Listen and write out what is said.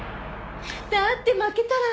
だって負けたら。